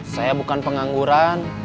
saya bukan pengangguran